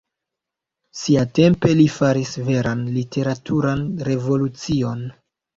Siatempe li faris veran literaturan revolucion.